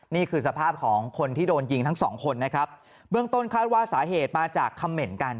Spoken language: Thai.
นี่คือสภาพของคนที่โดนยิงทั้งสองคนนะครับเบื้องต้นคาดว่าสาเหตุมาจากคำเหม็นกัน